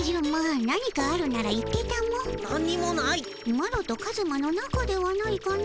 マロとカズマのなかではないかの。